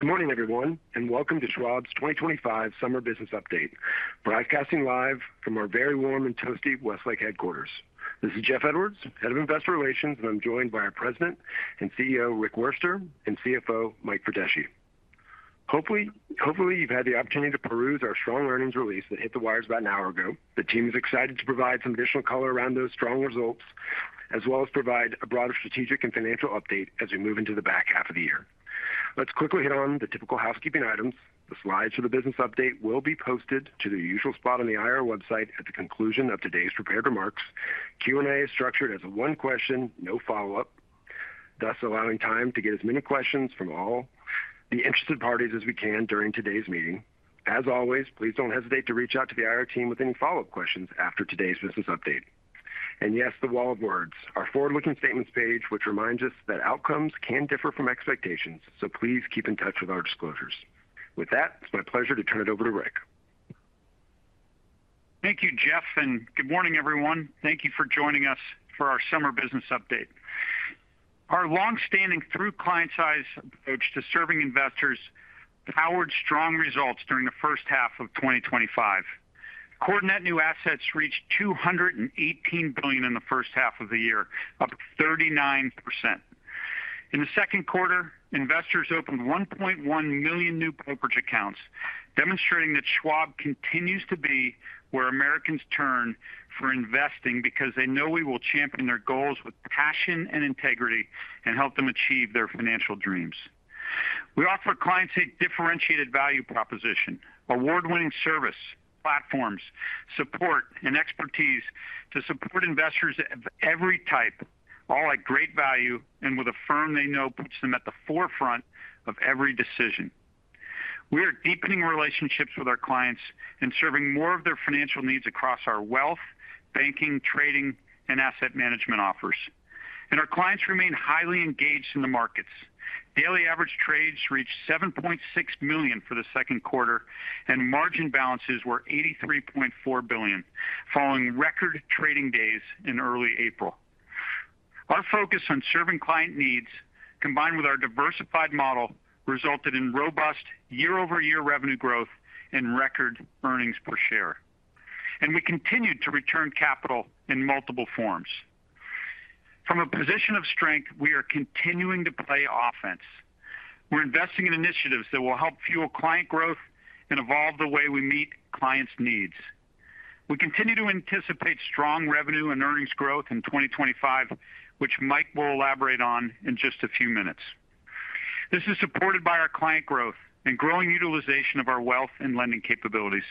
Good morning, everyone, and welcome to Schwab's 2025 Summer Business Update, broadcasting live from our very warm and toasty Westlake headquarters. This is Jeff Edwards, Head of Investor Relations, and I'm joined by our President and CEO, Rick Wurster, and CFO, Mike Verdeschi. Hopefully, you've had the opportunity to peruse our strong earnings release that hit the wires about an hour ago. The team is excited to provide some additional color around those strong results, as well as provide a broader strategic and financial update as we move into the back half of the year. Let's quickly hit on the typical housekeeping items. The slides for the business update will be posted to the usual spot on the IR website at the conclusion of today's prepared remarks. Q&A is structured as a one-question, no follow-up, thus allowing time to get as many questions from all the interested parties as we can during today's meeting. As always, please don't hesitate to reach out to the IR team with any follow-up questions after today's business update. Yes, the wall of words, our forward-looking statements page, which reminds us that outcomes can differ from expectations, so please keep in touch with our disclosures. With that, it's my pleasure to turn it over to Rick. Thank you, Jeff, and good morning, everyone. Thank you for joining us for our Summer Business Update. Our long-standing through-client-size approach to serving investors powered strong results during the first half of 2025. Core net new assets reached $218 billion in the first half of the year, up 39%. In the second quarter, investors opened 1.1 million new brokerage accounts, demonstrating that Schwab continues to be where Americans turn for investing because they know we will champion their goals with passion and integrity and help them achieve their financial dreams. We offer clients a differentiated value proposition: award-winning service, platforms, support, and expertise to support investors of every type, all at great value and with a firm they know puts them at the forefront of every decision. We are deepening relationships with our clients and serving more of their financial needs across our wealth, banking, trading, and asset management offers. Our clients remain highly engaged in the markets. Daily average trades reached 7.6 million for the second quarter, and margin balances were $83.4 billion, following record trading days in early April. Our focus on serving client needs, combined with our diversified model, resulted in robust year-over-year revenue growth and record earnings per share. We continue to return capital in multiple forms. From a position of strength, we are continuing to play offense. We're investing in initiatives that will help fuel client growth and evolve the way we meet clients' needs. We continue to anticipate strong revenue and earnings growth in 2025, which Mike will elaborate on in just a few minutes. This is supported by our client growth and growing utilization of our wealth and lending capabilities,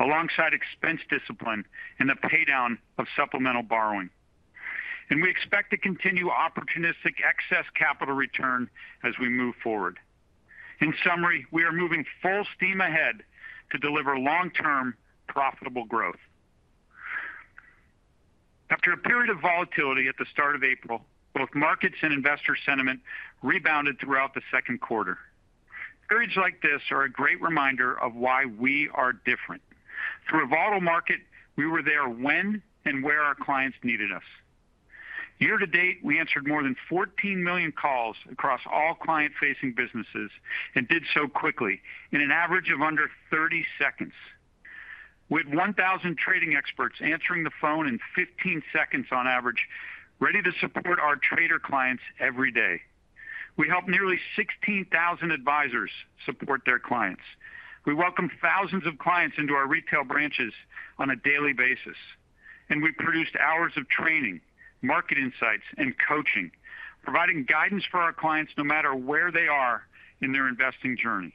alongside expense discipline and the paydown of supplemental borrowing. We expect to continue opportunistic excess capital return as we move forward. In summary, we are moving full steam ahead to deliver long-term profitable growth. After a period of volatility at the start of April, both markets and investor sentiment rebounded throughout the second quarter. Periods like this are a great reminder of why we are different. Through a volatile market, we were there when and where our clients needed us. Year-to-date, we answered more than 14 million calls across all client-facing businesses and did so quickly, in an average of under 30 seconds. With 1,000 trading experts answering the phone in 15 seconds on average, ready to support our trader clients every day. We helped nearly 16,000 advisors support their clients. We welcome thousands of clients into our retail branches on a daily basis. We've produced hours of training, market insights, and coaching, providing guidance for our clients no matter where they are in their investing journey.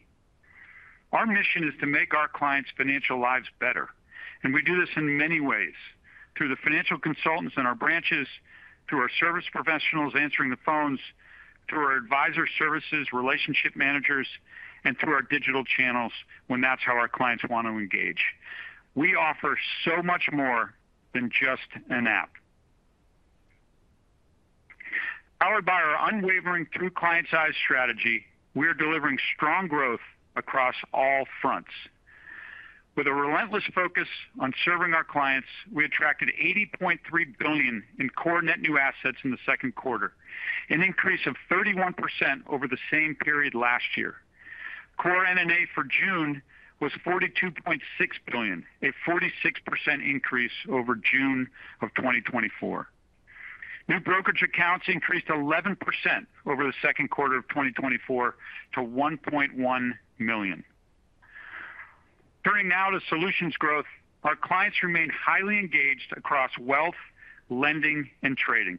Our mission is to make our clients' financial lives better. We do this in many ways: through the financial consultants in our branches, through our service professionals answering the phones, through our advisor services, relationship managers, and through our digital channels when that's how our clients want to engage. We offer so much more than just an app. Powered by our unwavering through-client-size strategy, we are delivering strong growth across all fronts. With a relentless focus on serving our clients, we attracted $80.3 billion in core net new assets in the second quarter, an increase of 31% over the same period last year. Core NNA for June was $42.6 billion, a 46% increase over June of 2024. New brokerage accounts increased 11% over the second quarter of 2024 to 1.1 million. Turning now to solutions growth, our clients remain highly engaged across wealth, lending, and trading.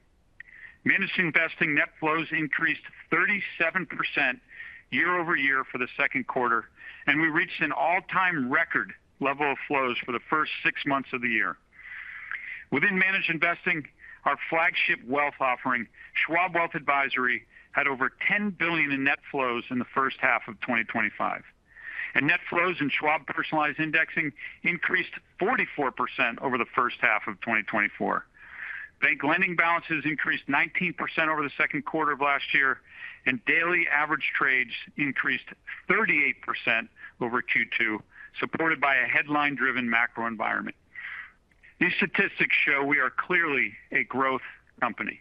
Managed investing net flows increased 37% year-over-year for the second quarter, and we reached an all-time record level of flows for the first six months of the year. Within managed investing, our flagship wealth offering, Schwab Wealth Advisory, had over $10 billion in net flows in the first half of 2025. Net flows in Schwab Personalized Indexing increased 44% over the first half of 2024. Bank lending balances increased 19% over the second quarter of last year, and daily average trades increased 38% over Q2, supported by a headline-driven macro environment. These statistics show we are clearly a growth company.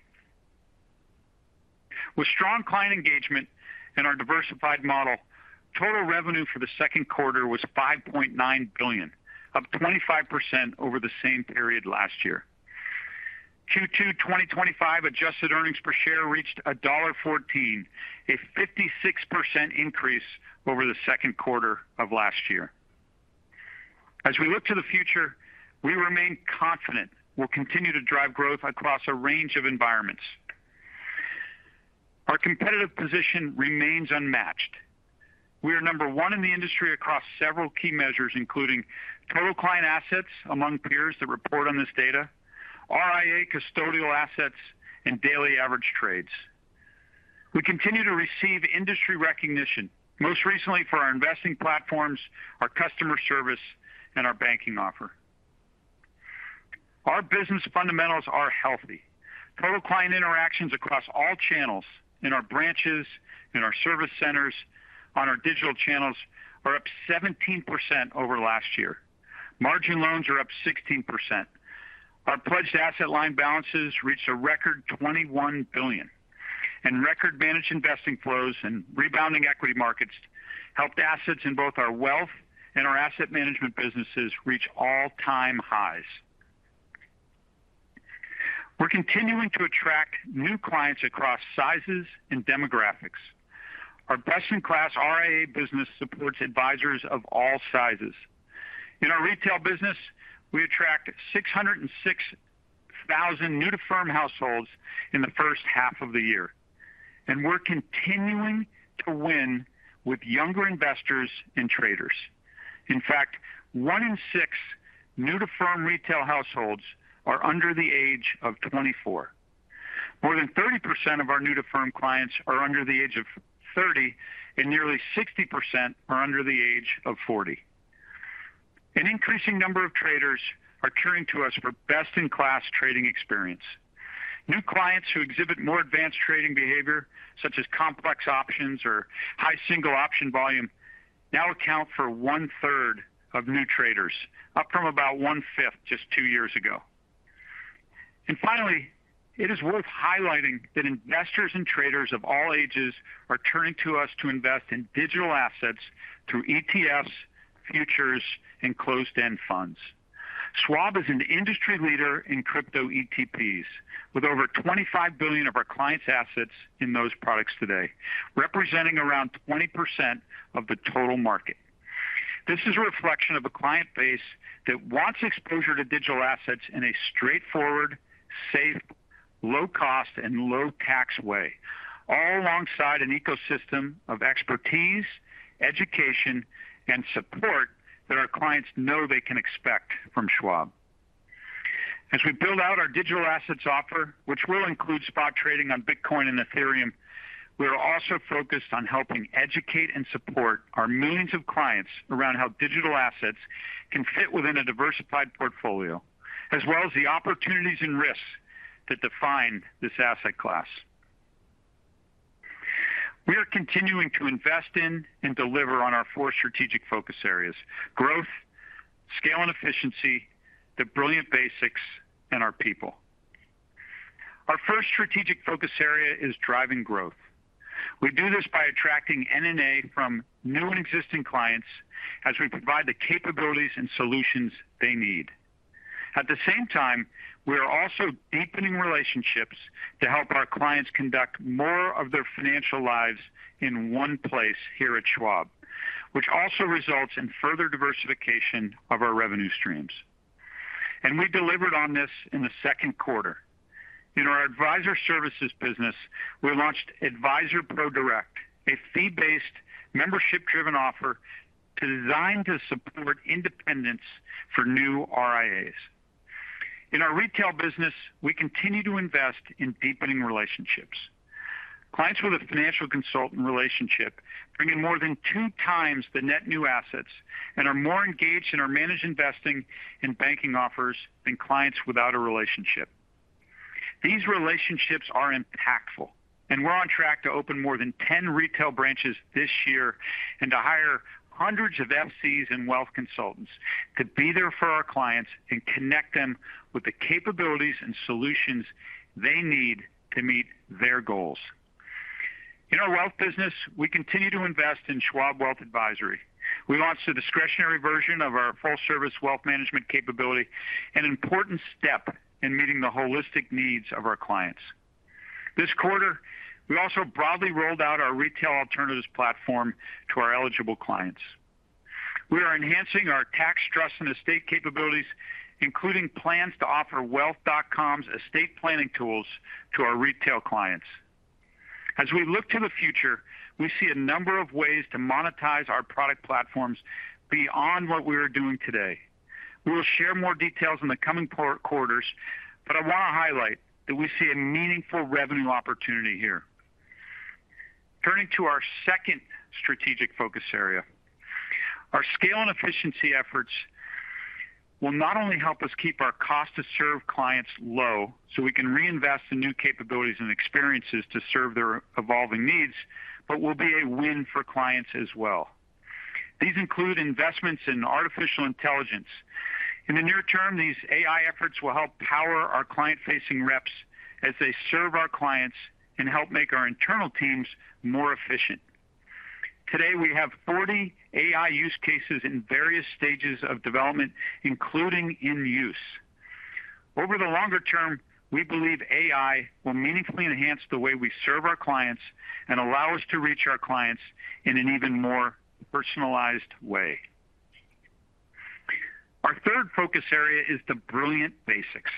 With strong client engagement and our diversified model, total revenue for the second quarter was $5.9 billion, up 25% over the same period last year. Q2 2025 adjusted earnings per share reached $1.14, a 56% increase over the second quarter of last year. As we look to the future, we remain confident we'll continue to drive growth across a range of environments. Our competitive position remains unmatched. We are number one in the industry across several key measures, including total client assets among peers that report on this data, RIA custodial assets, and daily average trades. We continue to receive industry recognition, most recently for our investing platforms, our customer service, and our banking offer. Our business fundamentals are healthy. Total client interactions across all channels in our branches, in our service centers, on our digital channels are up 17% over last year. Margin loans are up 16%. Our Pledged Asset Line balances reached a record $21 billion. Record managed investing flows and rebounding equity markets helped assets in both our wealth and our asset management businesses reach all-time highs. We're continuing to attract new clients across sizes and demographics. Our best-in-class RIA business supports advisors of all sizes. In our retail business, we attract 606,000 new-to-firm households in the first half of the year. We're continuing to win with younger investors and traders. In fact, one in six new-to-firm retail households are under the age of 24. More than 30% of our new-to-firm clients are under the age of 30, and nearly 60% are under the age of 40. An increasing number of traders are turning to us for best-in-class trading experience. New clients who exhibit more advanced trading behavior, such as complex options or high single option volume, now account for 1/3 of new traders, up from about 1/5 just two years ago. It is worth highlighting that investors and traders of all ages are turning to us to invest in digital assets through ETFs, futures, and closed-end funds. Schwab is an industry leader in crypto ETPs, with over $25 billion of our clients' assets in those products today, representing around 20% of the total market. This is a reflection of a client base that wants exposure to digital assets in a straightforward, safe, low-cost, and low-tax way, all alongside an ecosystem of expertise, education, and support that our clients know they can expect from Schwab. As we build out our digital assets offer, which will include spot trading on Bitcoin and Ethereum, we are also focused on helping educate and support our millions of clients around how digital assets can fit within a diversified portfolio, as well as the opportunities and risks that define this asset class. We are continuing to invest in and deliver on our four strategic focus areas: growth, scale and efficiency, the brilliant basics, and our people. Our first strategic focus area is driving growth. We do this by attracting NNA from new and existing clients as we provide the capabilities and solutions they need. At the same time, we are also deepening relationships to help our clients conduct more of their financial lives in one place here at Schwab, which also results in further diversification of our revenue streams. We delivered on this in the second quarter. In our advisor services business, we launched Advisor ProDirect, a fee-based, membership-driven offer designed to support independence for new RIAs. In our retail business, we continue to invest in deepening relationships. Clients with a financial consultant relationship bring in more than two times the net new assets and are more engaged in our managed investing and banking offers than clients without a relationship. These relationships are impactful, and we're on track to open more than 10 retail branches this year and to hire hundreds of FCs and wealth consultants to be there for our clients and connect them with the capabilities and solutions they need to meet their goals. In our wealth business, we continue to invest in Schwab Wealth Advisory. We launched a discretionary version of our full-service wealth management capability, an important step in meeting the holistic needs of our clients. This quarter, we also broadly rolled out our retail alternatives platform to our eligible clients. We are enhancing our tax trust and estate capabilities, including plans to offer wealth.com's estate planning tools to our retail clients. As we look to the future, we see a number of ways to monetize our product platforms beyond what we are doing today. We will share more details in the coming quarters, but I want to highlight that we see a meaningful revenue opportunity here. Turning to our second strategic focus area, our scale and efficiency efforts will not only help us keep our cost-to-serve clients low so we can reinvest in new capabilities and experiences to serve their evolving needs, but will be a win for clients as well. These include investments in artificial intelligence. In the near term, these AI efforts will help power our client-facing reps as they serve our clients and help make our internal teams more efficient. Today, we have 40 AI use cases in various stages of development, including in use. Over the longer term, we believe AI will meaningfully enhance the way we serve our clients and allow us to reach our clients in an even more personalized way. Our third focus area is the brilliant basics.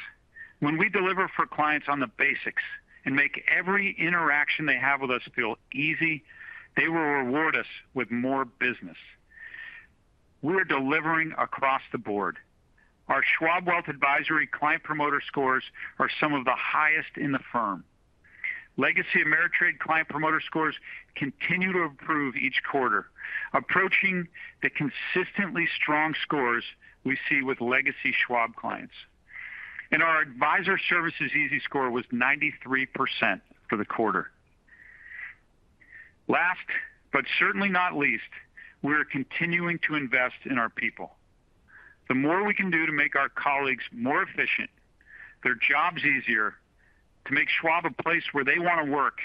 When we deliver for clients on the basics and make every interaction they have with us feel easy, they will reward us with more business. We are delivering across the board. Our Schwab Wealth Advisory client promoter scores are some of the highest in the firm. Legacy Ameritrade client promoter scores continue to improve each quarter, approaching the consistently strong scores we see with legacy Schwab clients. Our advisor services Easy Score was 93% for the quarter. Last but certainly not least, we are continuing to invest in our people. The more we can do to make our colleagues more efficient, their jobs easier, to make Schwab a place where they want to work,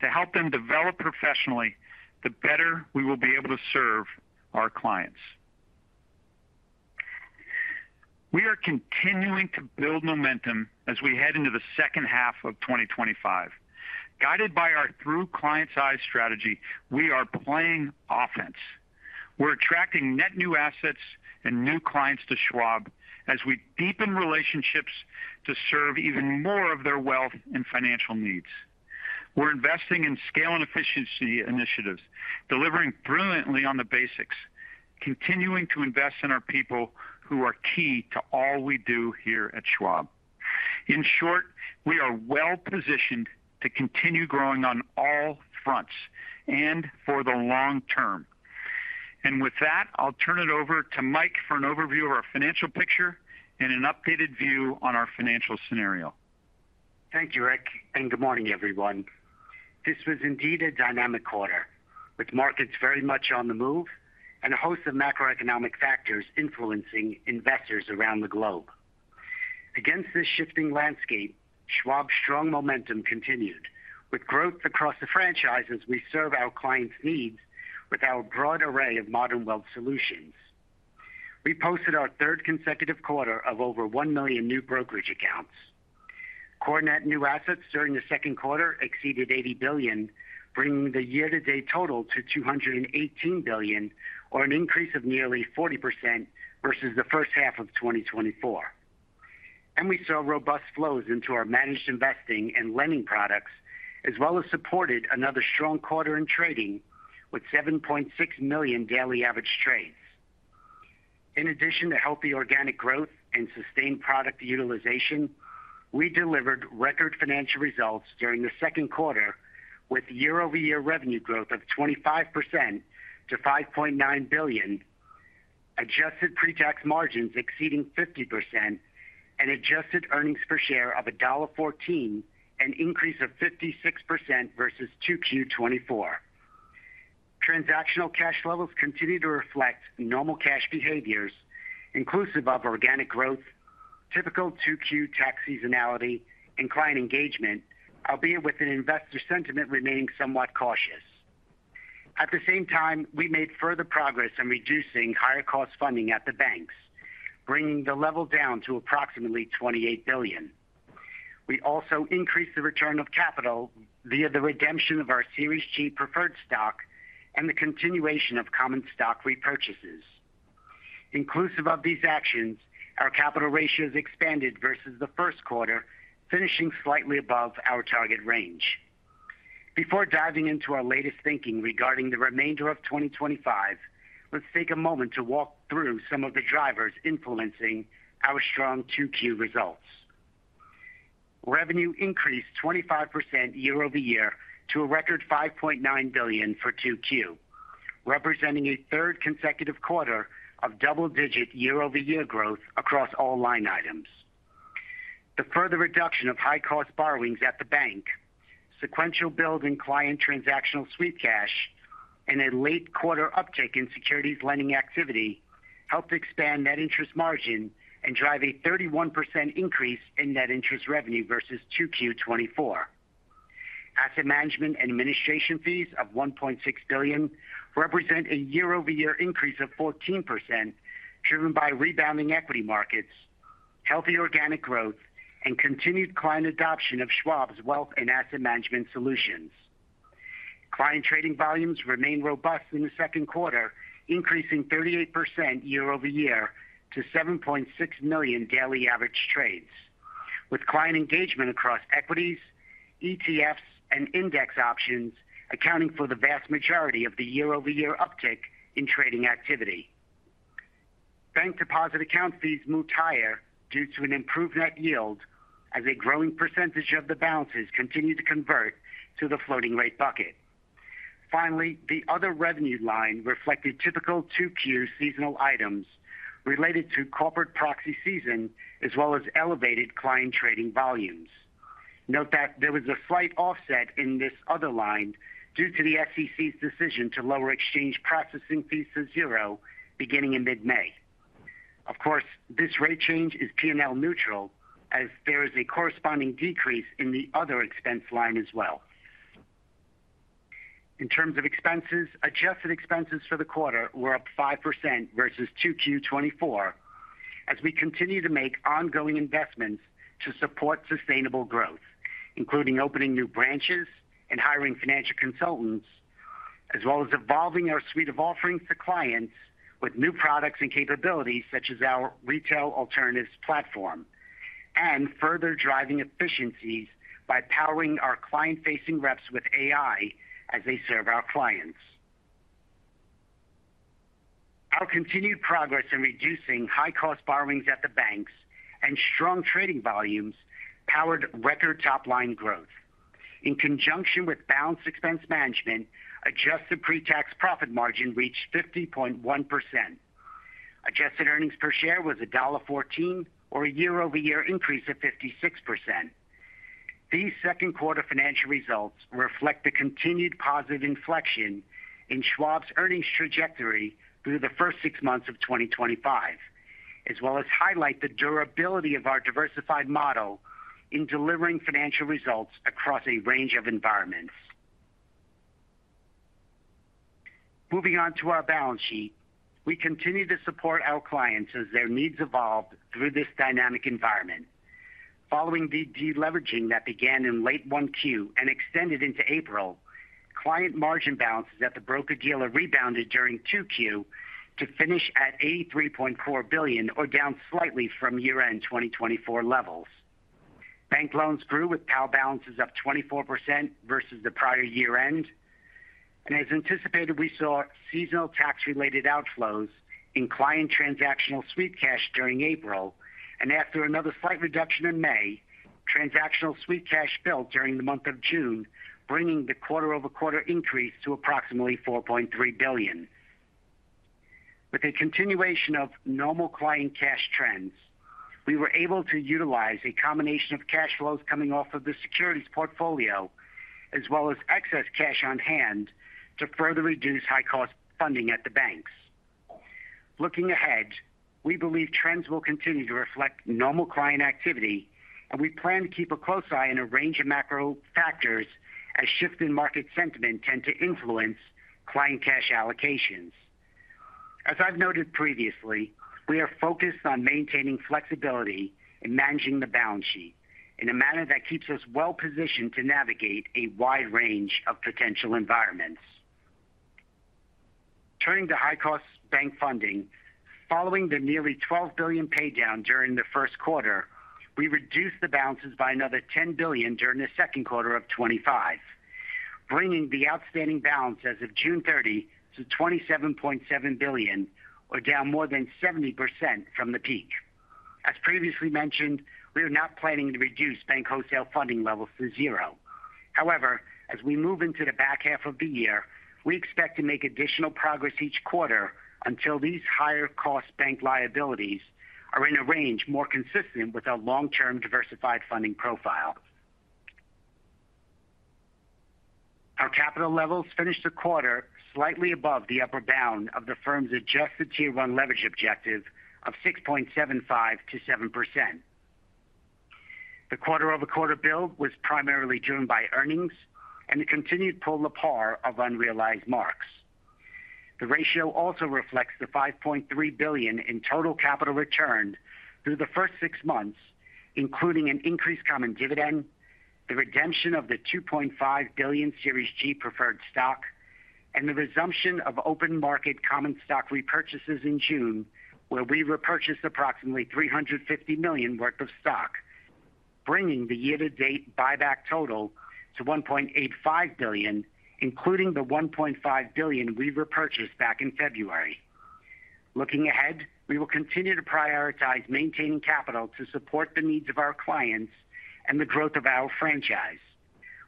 to help them develop professionally, the better we will be able to serve our clients. We are continuing to build momentum as we head into the second half of 2025. Guided by our through-client-size strategy, we are playing offense. We're attracting net new assets and new clients to Schwab as we deepen relationships to serve even more of their wealth and financial needs. We're investing in scale and efficiency initiatives, delivering brilliantly on the basics, continuing to invest in our people who are key to all we do here at Schwab. In short, we are well-positioned to continue growing on all fronts and for the long term. With that, I'll turn it over to Mike for an overview of our financial picture and an updated view on our financial scenario. Thanks, Rick, and good morning, everyone. This was indeed a dynamic quarter, with markets very much on the move and a host of macroeconomic factors influencing investors around the globe. Against this shifting landscape, Schwab's strong momentum continued, with growth across the franchises we serve our clients' needs with our broad array of modern wealth solutions. We posted our third consecutive quarter of over 1 million new brokerage accounts. Core net new assets during the second quarter exceeded $80 billion, bringing the year-to-date total to $218 billion, or an increase of nearly 40% versus the first half of 2024. We saw robust flows into our managed investing and lending products, as well as supported another strong quarter in trading with 7.6 million daily average trades. In addition to healthy organic growth and sustained product utilization, we delivered record financial results during the second quarter, with year-over-year revenue growth of 25% to $5.9 billion. Adjusted pre-tax margins exceeding 50%, and adjusted earnings per share of $1.14, an increase of 56% versus 2Q 2024. Transactional cash levels continue to reflect normal cash behaviors, inclusive of organic growth, typical 2Q tax seasonality, and client engagement, albeit with investor sentiment remaining somewhat cautious. At the same time, we made further progress in reducing higher-cost funding at the banks, bringing the level down to approximately $28 billion. We also increased the return of capital via the redemption of our Series G preferred stock and the continuation of common stock repurchases. Inclusive of these actions, our capital ratios expanded versus the first quarter, finishing slightly above our target range. Before diving into our latest thinking regarding the remainder of 2025, let's take a moment to walk through some of the drivers influencing our strong 2Q results. Revenue increased 25% year-over-year to a record $5.9 billion for 2Q, representing a third consecutive quarter of double-digit year-over-year growth across all line items. The further reduction of high-cost borrowings at the bank, sequential build in client transactional sweet cash, and a late quarter uptick in securities lending activity helped expand net interest margin and drive a 31% increase in net interest revenue versus 2Q 2024. Asset management and administration fees of $1.6 billion represent a year-over-year increase of 14%, driven by rebounding equity markets, healthy organic growth, and continued client adoption of Schwab's wealth and asset management solutions. Client trading volumes remained robust in the second quarter, increasing 38% year-over-year to 7.6 million daily average trades, with client engagement across equities, ETFs, and index options accounting for the vast majority of the year-over-year uptick in trading activity. Bank deposit account fees moved higher due to an improved net yield as a growing percentage of the balances continued to convert to the floating-rate bucket. Finally, the other revenue line reflected typical 2Q seasonal items related to corporate proxy season, as well as elevated client trading volumes. Note that there was a slight offset in this other line due to the SEC's decision to lower exchange processing fees to zero beginning in mid-May. Of course, this rate change is P&L neutral, as there is a corresponding decrease in the other expense line as well. In terms of expenses, adjusted expenses for the quarter were up 5% versus 2Q 2024, as we continue to make ongoing investments to support sustainable growth, including opening new branches and hiring financial consultants, as well as evolving our suite of offerings to clients with new products and capabilities such as our Retail Alternatives Platform, and further driving efficiencies by powering our client-facing reps with AI as they serve our clients. Our continued progress in reducing high-cost borrowings at the banks and strong trading volumes powered record top-line growth. In conjunction with balanced expense management, adjusted pre-tax profit margin reached 50.1%. Adjusted earnings per share was $1.14, or a year-over-year increase of 56%. These second-quarter financial results reflect the continued positive inflection in Schwab's earnings trajectory through the first six months of 2025, as well as highlight the durability of our diversified model in delivering financial results across a range of environments. Moving on to our balance sheet, we continue to support our clients as their needs evolve through this dynamic environment. Following the deleveraging that began in late 1Q and extended into April, client margin balances at the broker-dealer rebounded during 2Q to finish at $83.4 billion, or down slightly from year-end 2024 levels. Bank loans grew with PAL balances up 24% versus the prior year-end. As anticipated, we saw seasonal tax-related outflows in client transactional sweet cash during April, and after another slight reduction in May, transactional sweet cash fell during the month of June, bringing the quarter-over-quarter increase to approximately $4.3 billion. With a continuation of normal client cash trends, we were able to utilize a combination of cash flows coming off of the securities portfolio, as well as excess cash on hand, to further reduce high-cost funding at the banks. Looking ahead, we believe trends will continue to reflect normal client activity, and we plan to keep a close eye on a range of macro factors as shift in market sentiment tends to influence client cash allocations. As I've noted previously, we are focused on maintaining flexibility in managing the balance sheet in a manner that keeps us well-positioned to navigate a wide range of potential environments. Turning to high-cost bank funding, following the nearly $12 billion paydown during the first quarter, we reduced the balances by another $10 billion during the second quarter of 2025, bringing the outstanding balance as of June 30 to $27.7 billion, or down more than 70% from the peak. As previously mentioned, we are not planning to reduce bank wholesale funding levels to zero. However, as we move into the back half of the year, we expect to make additional progress each quarter until these higher-cost bank liabilities are in a range more consistent with our long-term diversified funding profile. Our capital levels finished the quarter slightly above the upper bound of the firm's adjusted tier 1 leverage objective of 6.75%-7%. The quarter-over-quarter build was primarily driven by earnings and the continued pull-apart of unrealized marks. The ratio also reflects the $5.3 billion in total capital returned through the first six months, including an increased common dividend, the redemption of the $2.5 billion Series G preferred stock, and the resumption of open market common stock repurchases in June, where we repurchased approximately $350 million worth of stock, bringing the year-to-date buyback total to $1.85 billion, including the $1.5 billion we repurchased back in February. Looking ahead, we will continue to prioritize maintaining capital to support the needs of our clients and the growth of our franchise,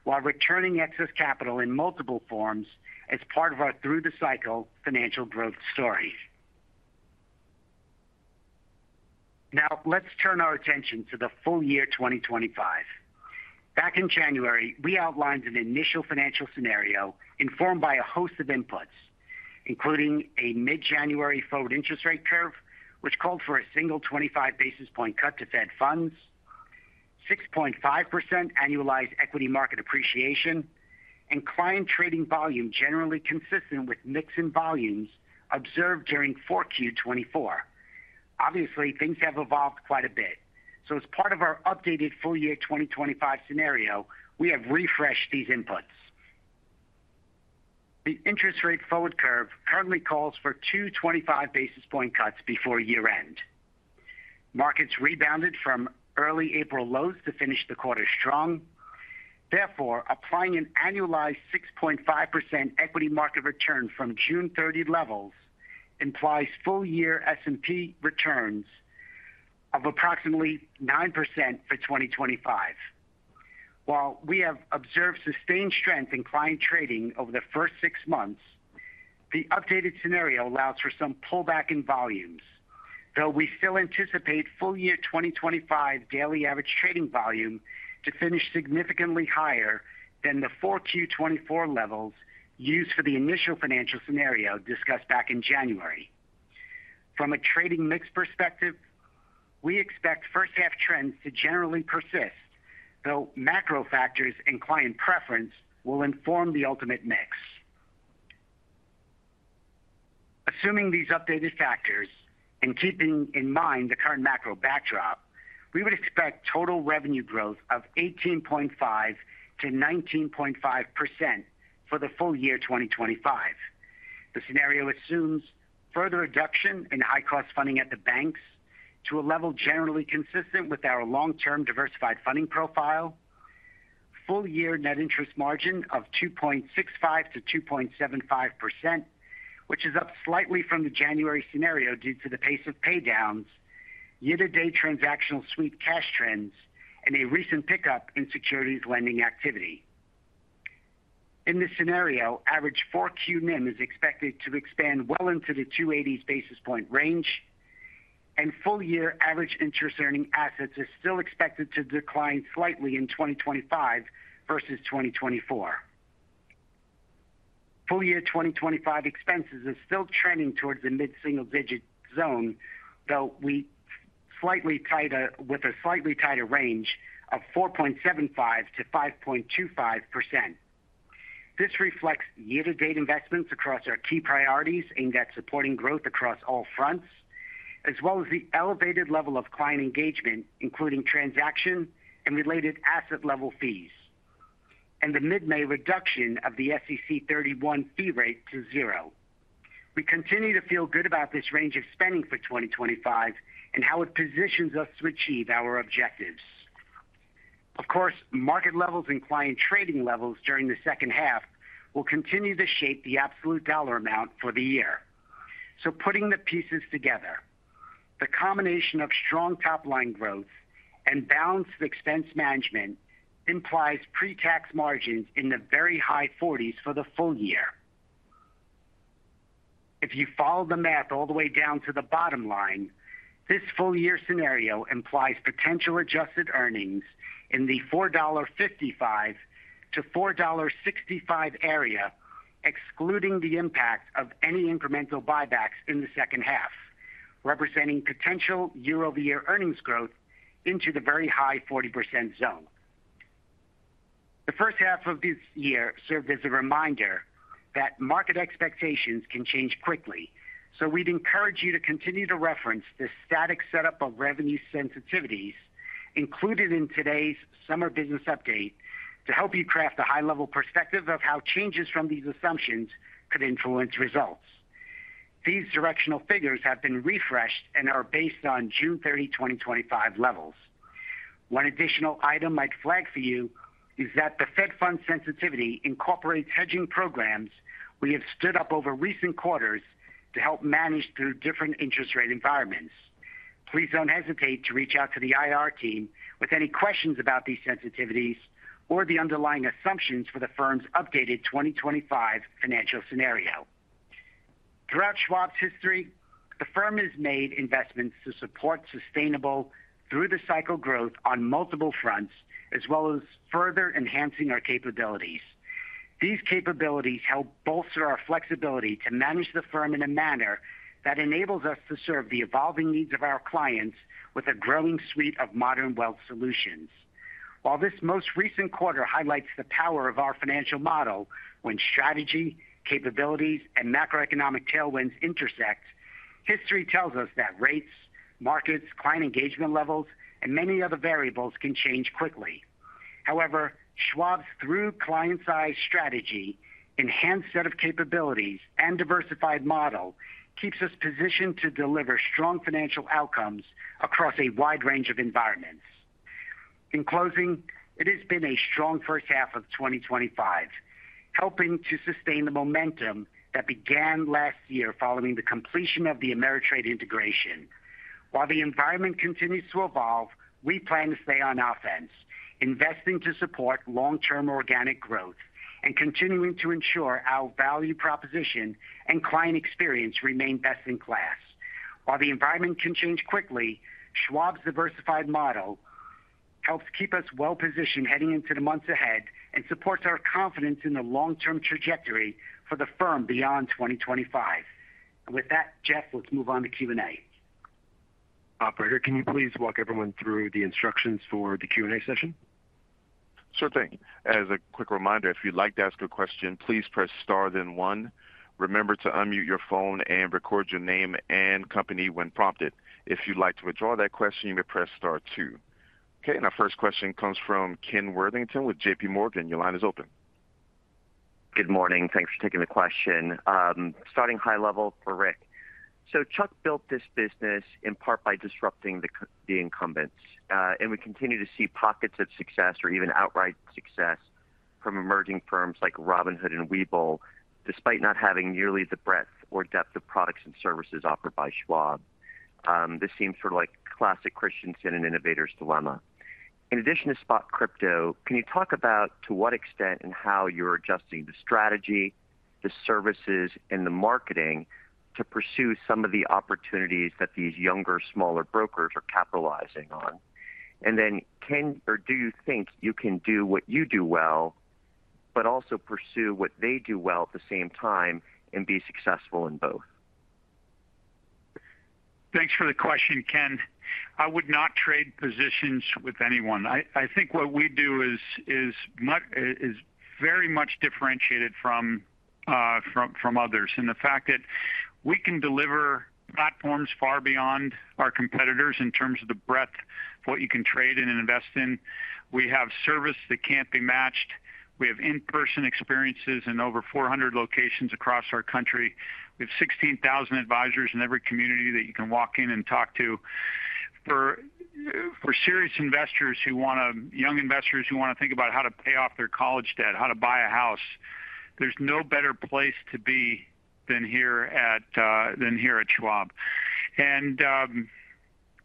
while returning excess capital in multiple forms as part of our through-the-cycle financial growth story. Now, let's turn our attention to the full year 2025. Back in January, we outlined an initial financial scenario informed by a host of inputs, including a mid-January forward interest rate curve, which called for a single 25 basis point cut to Fed funds, 6.5% annualized equity market appreciation, and client trading volume generally consistent with mix-in volumes observed during 4Q 2024. Obviously, things have evolved quite a bit. As part of our updated full year 2025 scenario, we have refreshed these inputs. The interest rate forward curve currently calls for two 25 basis point cuts before year-end. Markets rebounded from early April lows to finish the quarter strong. Therefore, applying an annualized 6.5% equity market return from June 30 levels implies full-year S&P returns of approximately 9% for 2025. While we have observed sustained strength in client trading over the first six months, the updated scenario allows for some pullback in volumes, though we still anticipate full year 2025 daily average trading volume to finish significantly higher than the 4Q 2024 levels used for the initial financial scenario discussed back in January. From a trading mix perspective, we expect first-half trends to generally persist, though macro factors and client preference will inform the ultimate mix. Assuming these updated factors and keeping in mind the current macro backdrop, we would expect total revenue growth of 18.5%-19.5% for the full year 2025. The scenario assumes further reduction in high-cost funding at the banks to a level generally consistent with our long-term diversified funding profile. Full-year net interest margin of 2.65%-2.75%, which is up slightly from the January scenario due to the pace of paydowns, year-to-date transactional sweet cash trends, and a recent pickup in securities lending activity. In this scenario, average 4Q min is expected to expand well into the 280 basis point range. Full-year average interest-earning assets are still expected to decline slightly in 2025 versus 2024. Full-year 2025 expenses are still trending towards the mid-single-digit zone, though slightly tighter with a slightly tighter range of 4.75%-5.25%. This reflects year-to-date investments across our key priorities aimed at supporting growth across all fronts, as well as the elevated level of client engagement, including transaction and related asset-level fees, and the mid-May reduction of the SEC 31 fee rate to zero. We continue to feel good about this range of spending for 2025 and how it positions us to achieve our objectives. Of course, market levels and client trading levels during the second half will continue to shape the absolute dollar amount for the year. Putting the pieces together, the combination of strong top-line growth and balanced expense management implies pre-tax margins in the very high 40s for the full year. If you follow the math all the way down to the bottom line, this full-year scenario implies potential adjusted earnings in the $4.55-$4.65 area, excluding the impact of any incremental buybacks in the second half, representing potential year-over-year earnings growth into the very high 40% zone. The first half of this year served as a reminder that market expectations can change quickly, so we'd encourage you to continue to reference the static setup of revenue sensitivities included in today's summer business update to help you craft a high-level perspective of how changes from these assumptions could influence results. These directional figures have been refreshed and are based on June 30, 2025, levels. One additional item I'd flag for you is that the Fed fund sensitivity incorporates hedging programs we have stood up over recent quarters to help manage through different interest rate environments. Please don't hesitate to reach out to the IR team with any questions about these sensitivities or the underlying assumptions for the firm's updated 2025 financial scenario. Throughout Schwab's history, the firm has made investments to support sustainable through-the-cycle growth on multiple fronts, as well as further enhancing our capabilities. These capabilities help bolster our flexibility to manage the firm in a manner that enables us to serve the evolving needs of our clients with a growing suite of modern wealth solutions. While this most recent quarter highlights the power of our financial model when strategy, capabilities, and macroeconomic tailwinds intersect, history tells us that rates, markets, client engagement levels, and many other variables can change quickly. However, Schwab's through-client-sized strategy, enhanced set of capabilities, and diversified model keep us positioned to deliver strong financial outcomes across a wide range of environments. In closing, it has been a strong first half of 2025, helping to sustain the momentum that began last year following the completion of the Ameritrade integration. While the environment continues to evolve, we plan to stay on offense, investing to support long-term organic growth and continuing to ensure our value proposition and client experience remain best in class. While the environment can change quickly, Schwab's diversified model helps keep us well-positioned heading into the months ahead and supports our confidence in the long-term trajectory for the firm beyond 2025. And with that, Jeff, let's move on to Q&A. Operator, can you please walk everyone through the instructions for the Q&A session? Sure thing. As a quick reminder, if you'd like to ask a question, please press star then One. Remember to unmute your phone and record your name and company when prompted. If you'd like to withdraw that question, you may press star two. Okay. And our first question comes from Ken Worthington with JPMorgan. Your line is open. Good morning. Thanks for taking the question. Starting high level for Rick. Chuck built this business in part by disrupting the incumbents, and we continue to see pockets of success or even outright success from emerging firms like Robinhood and Webull, despite not having nearly the breadth or depth of products and services offered by Schwab. This seems sort of like classic Christensen and Innovator's Dilemma. In addition to spot crypto, can you talk about to what extent and how you're adjusting the strategy, the services, and the marketing to pursue some of the opportunities that these younger, smaller brokers are capitalizing on? Ken, do you think you can do what you do well, but also pursue what they do well at the same time and be successful in both? Thanks for the question, Ken. I would not trade positions with anyone. I think what we do is very much differentiated from others, and the fact that we can deliver platforms far beyond our competitors in terms of the breadth of what you can trade and invest in. We have service that can't be matched. We have in-person experiences in over 400 locations across our country. We have 16,000 advisors in every community that you can walk in and talk to. For serious investors who want to, young investors who want to think about how to pay off their college debt, how to buy a house, there's no better place to be than here at Schwab.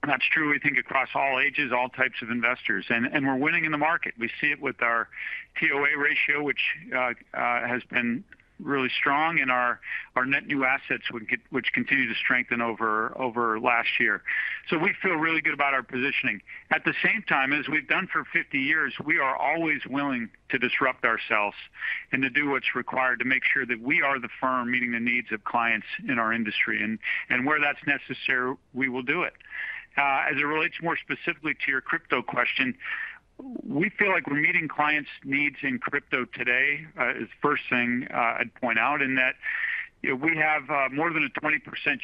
That is true, we think, across all ages, all types of investors. We are winning in the market. We see it with our TOA ratio, which has been really strong, and our net new assets, which continue to strengthen over last year. We feel really good about our positioning. At the same time, as we've done for 50 years, we are always willing to disrupt ourselves and to do what's required to make sure that we are the firm meeting the needs of clients in our industry. Where that's necessary, we will do it. As it relates more specifically to your crypto question, we feel like we're meeting clients' needs in crypto today is the first thing I'd point out in that. We have more than a 20%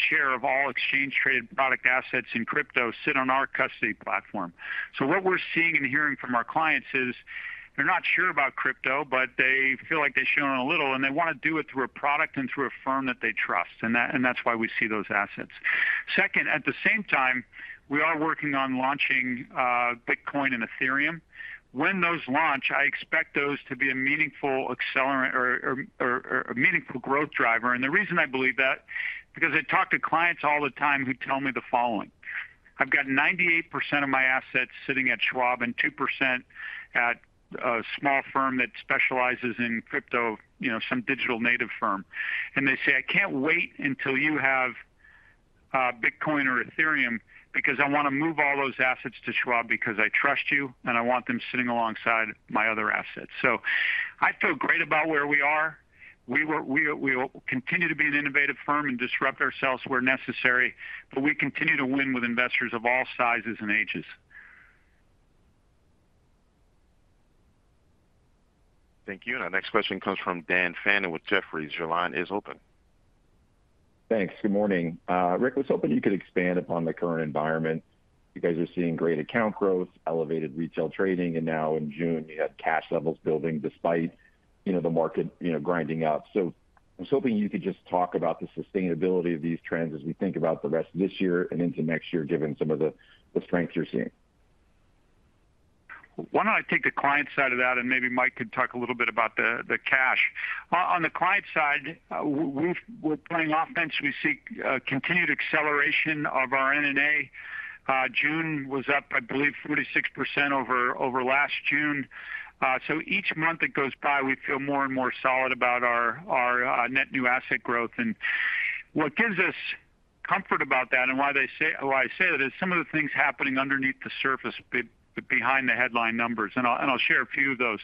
share of all exchange-traded product assets in crypto sit on our custody platform. What we're seeing and hearing from our clients is they're not sure about crypto, but they feel like they've shown a little, and they want to do it through a product and through a firm that they trust. That is why we see those assets. Second, at the same time, we are working on launching Bitcoin and Ethereum. When those launch, I expect those to be a meaningful accelerant or a meaningful growth driver. The reason I believe that is because I talk to clients all the time who tell me the following. "I've got 98% of my assets sitting at Schwab and 2% at a small firm that specializes in crypto, some digital native firm." And they say, "I can't wait until you have Bitcoin or Ethereum because I want to move all those assets to Schwab because I trust you, and I want them sitting alongside my other assets." I feel great about where we are. We will continue to be an innovative firm and disrupt ourselves where necessary, but we continue to win with investors of all sizes and ages. Thank you. Our next question comes from Dan Fannin with Jefferies. Your line is open. Thanks. Good morning. Rick, I was hoping that you could expand upon the current environment. You guys are seeing great account growth, elevated retail trading, and now in June, you had cash levels building despite the market grinding up. I was hoping you could just talk about the sustainability of these trends as we think about the rest of this year and into next year, given some of the strengths you're seeing. Why don't I take the client side of that, and maybe Mike could talk a little bit about the cash. On the client side, we're playing offense. We seek continued acceleration of our NNA. June was up, I believe, 46% over last June. Each month that goes by, we feel more and more solid about our net new asset growth. What gives us comfort about that, and why I say that, is some of the things happening underneath the surface behind the headline numbers. I'll share a few of those.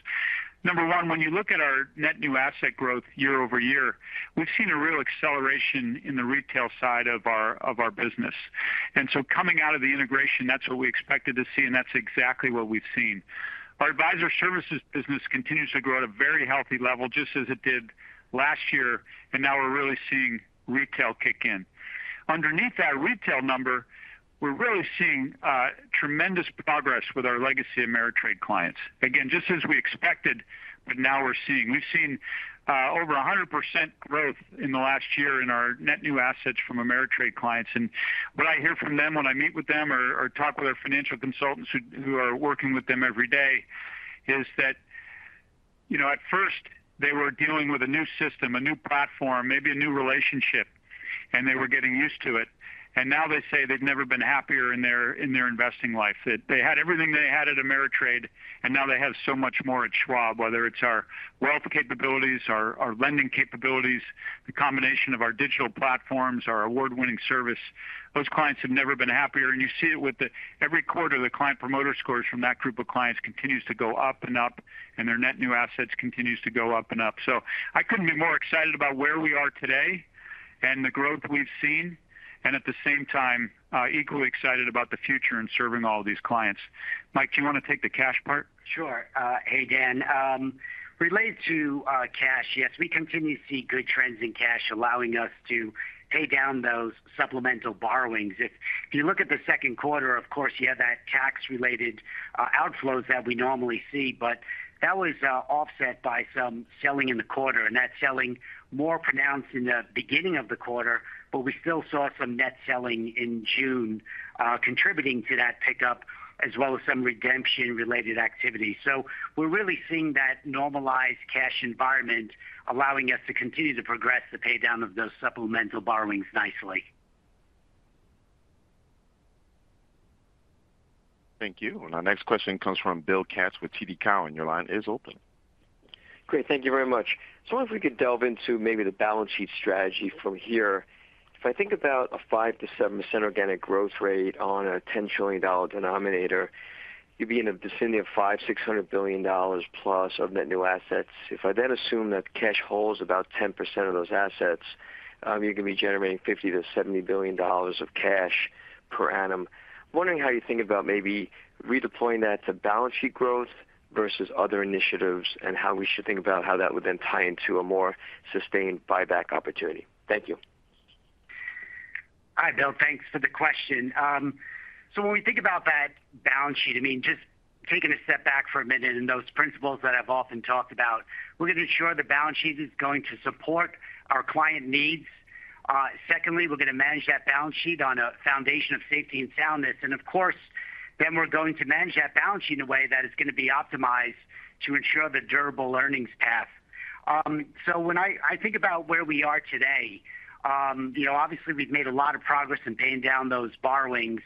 Number one, when you look at our net new asset growth year-over-year, we've seen a real acceleration in the retail side of our business. Coming out of the integration, that's what we expected to see, and that's exactly what we've seen. Our advisor services business continues to grow at a very healthy level, just as it did last year, and now we're really seeing retail kick in. Underneath that retail number, we're really seeing tremendous progress with our legacy Ameritrade clients. Again, just as we expected, but now we're seeing. We've seen over 100% growth in the last year in our net new assets from Ameritrade clients. What I hear from them when I meet with them or talk with our financial consultants who are working with them every day is that at first, they were dealing with a new system, a new platform, maybe a new relationship. They were getting used to it. Now they say they've never been happier in their investing life. They had everything they had at Ameritrade, and now they have so much more at Schwab, whether it's our wealth capabilities, our lending capabilities, the combination of our digital platforms, our award-winning service. Those clients have never been happier. You see it with every quarter, the client promoter scores from that group of clients continue to go up and up, and their net new assets continue to go up and up. So, I couldn't be more excited about where we are today and the growth we've seen, and at the same time, equally excited about the future and serving all these clients. Mike, do you want to take the cash part? Sure. Hey, Dan. Related to cash, yes, we continue to see good trends in cash, allowing us to pay down those supplemental borrowings. If you look at the second quarter, of course, you have that tax-related outflows that we normally see, but that was offset by some selling in the quarter. That selling was more pronounced in the beginning of the quarter, but we still saw some net selling in June, contributing to that pickup, as well as some redemption-related activity. We're really seeing that normalized cash environment, allowing us to continue to progress the paydown of those supplemental borrowings nicely. Thank you. Our next question comes from Bill Katz with TD Cowen. Your line is open. Great. Thank you very much. If we could delve into maybe the balance sheet strategy from here, if I think about a 5%-7% organic growth rate on a $10 trillion denominator, you'd be in the vicinity of $500 billion-$600 billion plus of net new assets. If I then assume that cash holds about 10% of those assets, you're going to be generating $50 billion-$70 billion of cash per annum. I'm wondering how you think about maybe redeploying that to balance sheet growth versus other initiatives and how we should think about how that would then tie into a more sustained buyback opportunity. Thank you. Hi, Bill. Thanks for the question. When we think about that balance sheet, I mean, just taking a step back for a minute in those principles that I've often talked about, we're going to ensure the balance sheet is going to support our client needs. Secondly, we're going to manage that balance sheet on a foundation of safety and soundness. Of course, then we're going to manage that balance sheet in a way that is going to be optimized to ensure the durable earnings path. When I think about where we are today. Obviously, we've made a lot of progress in paying down those borrowings.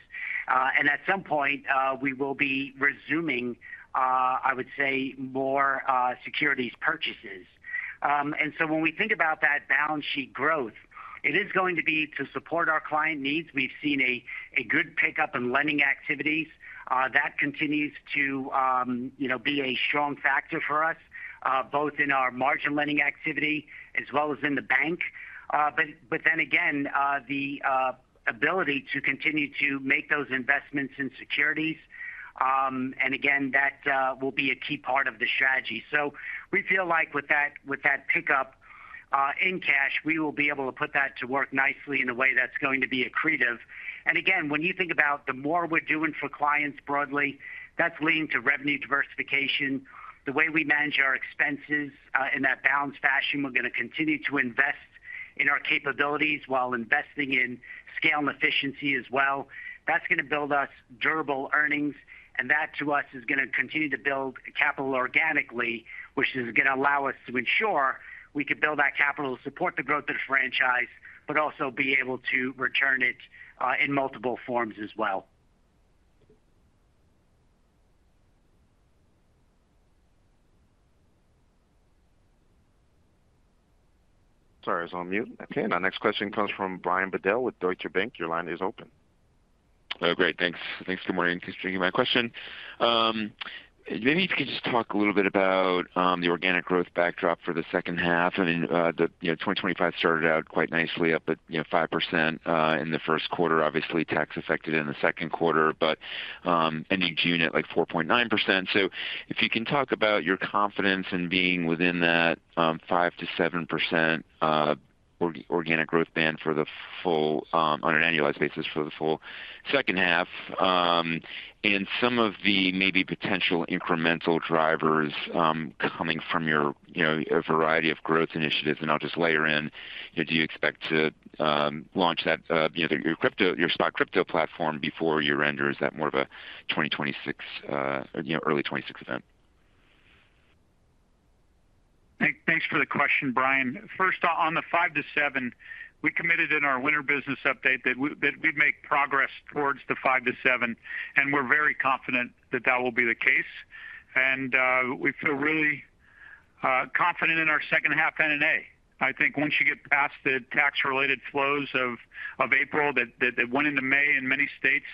At some point, we will be resuming, I would say, more securities purchases. When we think about that balance sheet growth, it is going to be to support our client needs. We've seen a good pickup in lending activities. That continues to be a strong factor for us, both in our margin lending activity as well as in the bank. The ability to continue to make those investments in securities. Again, that will be a key part of the strategy. We feel like with that pickup in cash, we will be able to put that to work nicely in a way that's going to be accretive. Again, when you think about the more we're doing for clients broadly, that's leading to revenue diversification. The way we manage our expenses in that balanced fashion, we're going to continue to invest in our capabilities while investing in scale and efficiency as well. That's going to build us durable earnings. That, to us, is going to continue to build capital organically, which is going to allow us to ensure we could build that capital to support the growth of the franchise, but also be able to return it in multiple forms as well. Sorry, I was on mute. Okay. Our next question comes from Brian Bedell with Deutsche Bank. Your line is open. Oh, great. Thanks. Good morning. Thanks for taking my question. Maybe if you could just talk a little bit about the organic growth backdrop for the second half. I mean, 2025 started out quite nicely up at 5% in the first quarter, obviously tax-affected in the second quarter, but ending June at like 4.9%. If you can talk about your confidence in being within that 5%-7% organic growth band on an annualized basis for the full second half, and some of the maybe potential incremental drivers coming from your variety of growth initiatives. I'll just layer in, do you expect to launch your crypto, your stock crypto platform before your render? Is that more of a 2026 or early 2026 event? Thanks for the question, Brian. First, on the 5%-7%, we committed in our winter business update that we'd make progress towards the 5%-7%. We're very confident that that will be the case. We feel really confident in our second half NNA. I think once you get past the tax-related flows of April that went into May in many states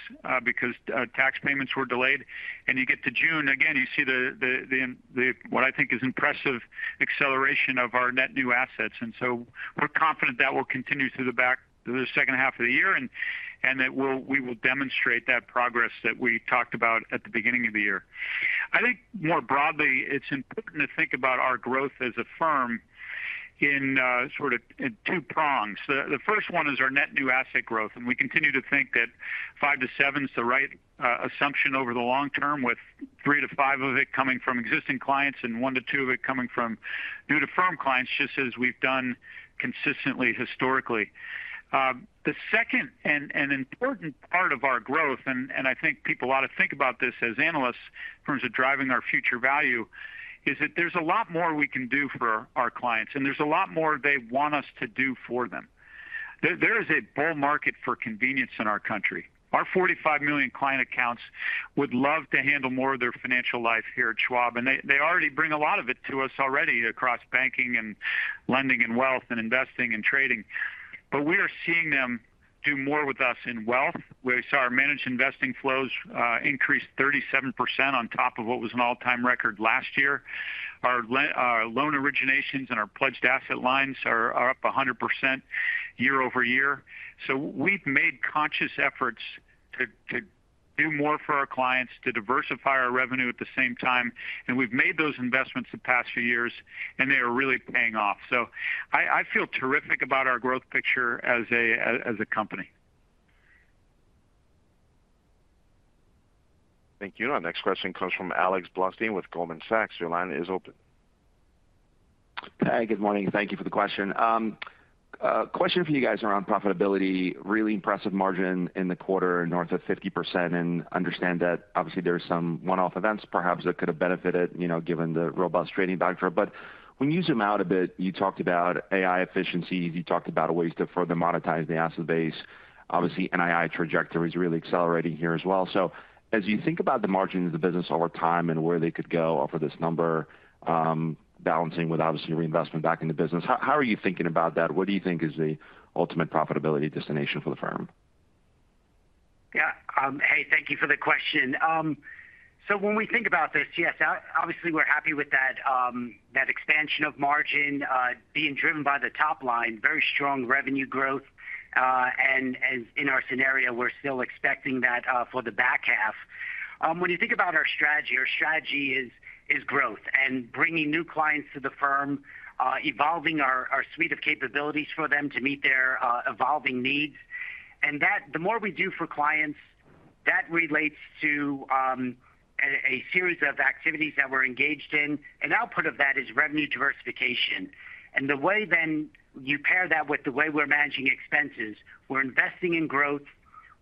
because tax payments were delayed, and you get to June, again, you see what I think is impressive acceleration of our net new assets. We're confident that will continue through the second half of the year and that we will demonstrate that progress that we talked about at the beginning of the year. I think more broadly, it's important to think about our growth as a firm in sort of two prongs. The first one is our net new asset growth. We continue to think that 5%-7% is the right assumption over the long term, with 3%-5% of it coming from existing clients and 1%-2% of it coming from new-to-firm clients, just as we've done consistently historically. The second and important part of our growth, and I think people ought to think about this as analysts in terms of driving our future value, is that there's a lot more we can do for our clients. There's a lot more they want us to do for them. There is a bull market for convenience in our country. Our 45 million client accounts would love to handle more of their financial life here at Schwab. They already bring a lot of it to us already across banking and lending and wealth and investing and trading. We are seeing them do more with us in wealth. We saw our managed investing flows increase 37% on top of what was an all-time record last year. Our loan originations and our pledged asset lines are up 100% year-over-year. We have made conscious efforts to do more for our clients, to diversify our revenue at the same time. We have made those investments the past few years, and they are really paying off. I feel terrific about our growth picture as a company. Thank you. Our next question comes from Alex Blostein with Goldman Sachs. Your line is open. Hi. Good morning. Thank you for the question. Question for you guys around profitability. Really impressive margin in the quarter, north of 50%. I understand that, obviously, there are some one-off events perhaps that could have benefited given the robust trading backdrop. When you zoom out a bit, you talked about AI efficiencies. You talked about ways to further monetize the asset base. Obviously, NII trajectory is really accelerating here as well. As you think about the margins of the business over time and where they could go for this number, balancing with, obviously, reinvestment back into business, how are you thinking about that? What do you think is the ultimate profitability destination for the firm? Yeah. Hey, thank you for the question. When we think about this, yes, obviously, we are happy with that. Expansion of margin being driven by the top line, very strong revenue growth. In our scenario, we are still expecting that for the back half. When you think about our strategy, our strategy is growth and bringing new clients to the firm, evolving our suite of capabilities for them to meet their evolving needs. The more we do for clients, that relates to a series of activities that we are engaged in. The output of that is revenue diversification. The way then you pair that with the way we are managing expenses, we are investing in growth,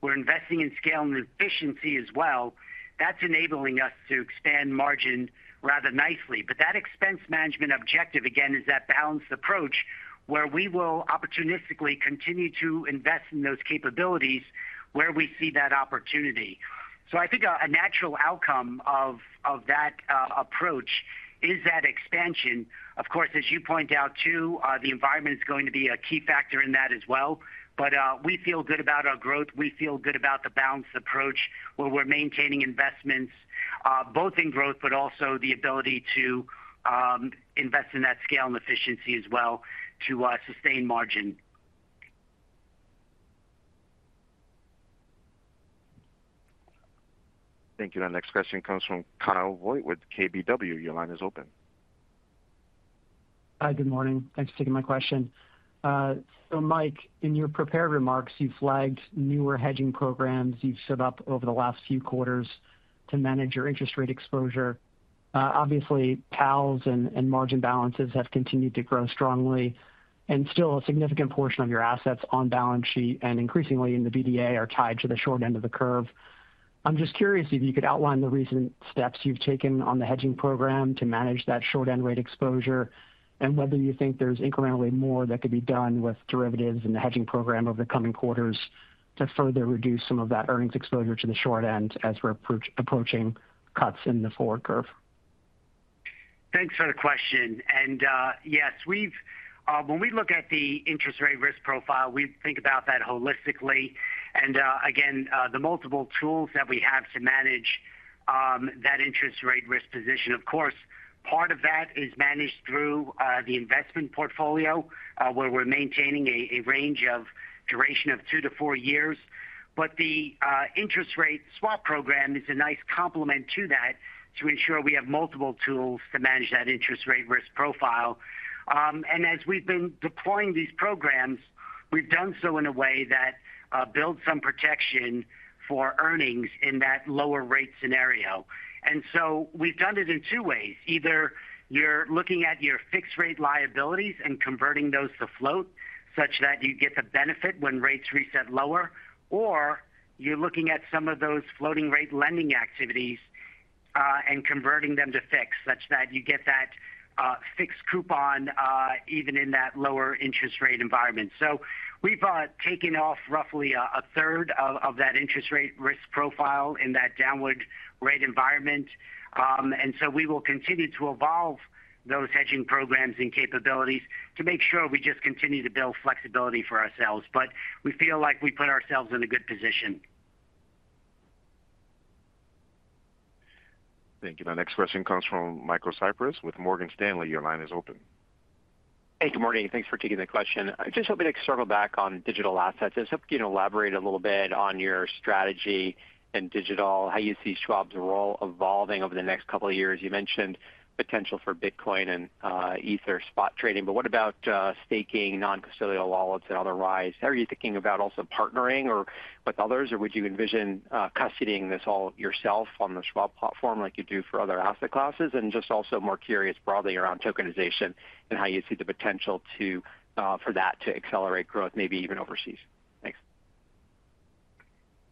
we are investing in scale and efficiency as well, that is enabling us to expand margin rather nicely. That expense management objective, again, is that balanced approach where we will opportunistically continue to invest in those capabilities where we see that opportunity. I think a natural outcome of that approach is that expansion. Of course, as you point out too, the environment is going to be a key factor in that as well. We feel good about our growth. We feel good about the balanced approach where we are maintaining investments, both in growth, but also the ability to invest in that scale and efficiency as well to sustain margin. Thank you. Our next question comes from Kyle Voigt with KBW. Your line is open. Hi. Good morning. Thanks for taking my question. Mike, in your prepared remarks, you flagged newer hedging programs you have set up over the last few quarters to manage your interest rate exposure. Obviously, PALs and margin balances have continued to grow strongly. Still, a significant portion of your assets on balance sheet and increasingly in the BDA are tied to the short end of the curve. I am just curious if you could outline the recent steps you have taken on the hedging program to manage that short end rate exposure and whether you think there is incrementally more that could be done with derivatives and the hedging program over the coming quarters to further reduce some of that earnings exposure to the short end as we are approaching cuts in the forward curve. Thanks for the question. Yes, when we look at the interest rate risk profile, we think about that holistically. Again, the multiple tools that we have to manage that interest rate risk position. Of course, part of that is managed through the investment portfolio where we are maintaining a range of duration of two to four years. The interest rate swap program is a nice complement to that to ensure we have multiple tools to manage that interest rate risk profile. As we have been deploying these programs, we have done so in a way that builds some protection for earnings in that lower rate scenario. We have done it in two ways. Either you are looking at your fixed rate liabilities and converting those to float such that you get the benefit when rates reset lower, or you are looking at some of those floating rate lending activities and converting them to fixed such that you get that fixed coupon even in that lower interest rate environment. We have taken off roughly a third of that interest rate risk profile in that downward rate environment. We will continue to evolve those hedging programs and capabilities to make sure we just continue to build flexibility for ourselves. We feel like we put ourselves in a good position. Thank you. Our next question comes from Michael Cyprys with Morgan Stanley. Your line is open. Hey, good morning. Thanks for taking the question. I just hope we can circle back on digital assets. I just hope you can elaborate a little bit on your strategy and digital, how you see Schwab's role evolving over the next couple of years. You mentioned potential for Bitcoin and Ether spot trading. What about staking, non-custodial wallets, and otherwise? How are you thinking about also partnering with others? Would you envision custodying this all yourself on the Schwab platform like you do for other asset classes? I am also more curious broadly around tokenization and how you see the potential for that to accelerate growth, maybe even overseas.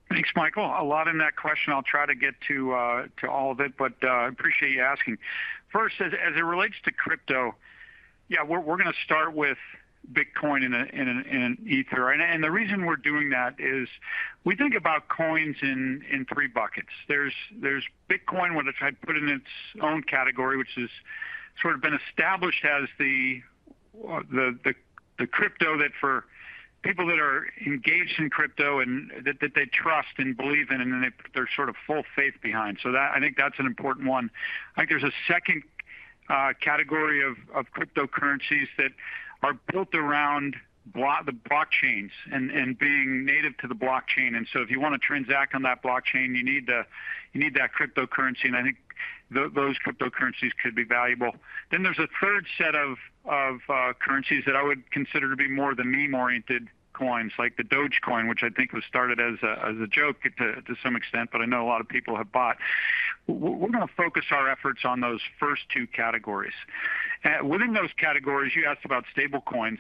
Thanks. Thanks, Michael. A lot in that question. I'll try to get to all of it, but I appreciate you asking. First, as it relates to crypto, yeah, we're going to start with Bitcoin and Ether. The reason we're doing that is we think about coins in three buckets. There's Bitcoin, which I put in its own category, which has sort of been established as the crypto that for people that are engaged in crypto and that they trust and believe in, and they're sort of full faith behind. I think that's an important one. I think there's a second category of cryptocurrencies that are built around the blockchains and being native to the blockchain. If you want to transact on that blockchain, you need that cryptocurrency. I think those cryptocurrencies could be valuable. Then there's a third set of currencies that I would consider to be more of the meme-oriented coins, like Dogecoin, which I think was started as a joke to some extent, but I know a lot of people have bought. We're going to focus our efforts on those first two categories. Within those categories, you asked about stablecoins.